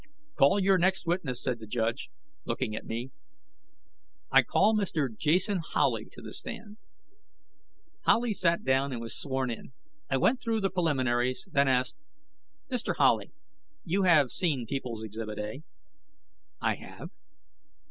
"Call your next witness," said the judge, looking at me. "I call Mr. Jason Howley to the stand." Howley sat down and was sworn in. I went through the preliminaries, then asked: "Mr. Howley, you have seen People's Exhibit A?" "I have."